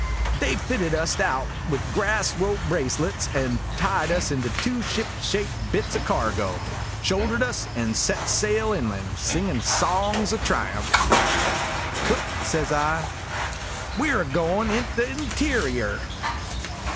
They fitted us out with grass rope bracelets, tied us into two shipshape bits o' cargo, shouldered us, and set sail inland, singin' songs o' triump'. "Cook," says I, "we 're a goin' int' the interior."